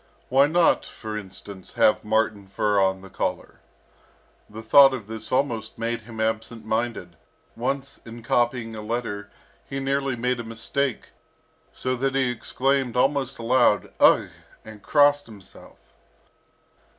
Why not, for instance, have marten fur on the collar? The thought of this almost made him absent minded. Once, in copying a letter, he nearly made a mistake, so that he exclaimed almost aloud, "Ugh!" and crossed himself.